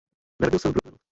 Narodil se v Brooklynu.